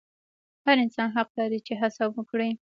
هر انسان حق لري چې هڅه وکړي.